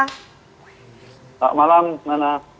selamat malam nana